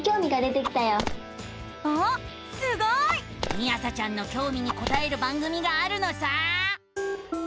みあさちゃんのきょうみにこたえる番組があるのさ！